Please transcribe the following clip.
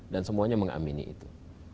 dan semuanya mengamini itu